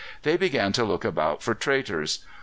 They began to look about for traitors.